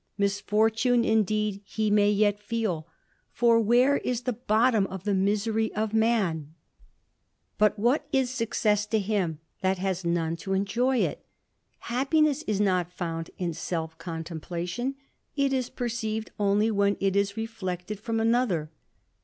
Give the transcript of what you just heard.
Misfortune, indeed, he may yet feel; for where is the fc^ottom of the misery of man ? But what is success to him tlxat has none to enjoy it ? Happiness is not found in self ^cmtemplation ; it is perceived only when it is reflected from 3 i:iother.